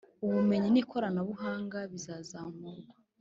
ubumenyi n'ikoranabuhanga bizazamurwa: